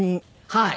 はい。